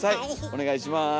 お願いします。